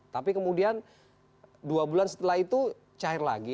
tapi kemudian dua bulan setelah itu cair lagi